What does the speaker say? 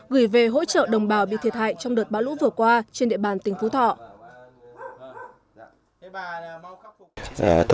gửi về hỗ trợ đồng bào bị thiệt hại trong đợt bão lũ vừa qua trên địa bàn tỉnh phú thọ